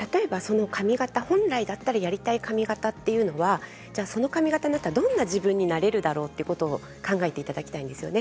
本来だったらやりたい髪形というのは、その髪形になったらどんな自分になれるだろうということを考えていただきたいんですよね。